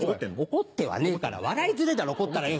怒ってはねえから笑いづれぇだろ怒ったらよ。